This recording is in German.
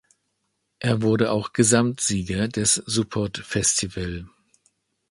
Er wurde auch Gesamtsieger des Sopot Festival.